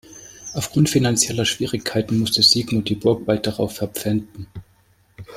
Aufgrund finanzieller Schwierigkeiten musste Sigmund die Burg bald darauf verpfänden.